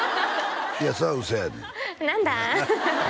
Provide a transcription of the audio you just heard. いやそれは嘘やねん何だ！